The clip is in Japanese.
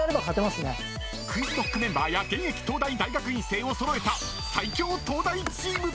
ＱｕｉｚＫｎｏｃｋメンバーや現役東大大学院生をそろえた最強東大チーム。